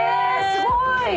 すごい！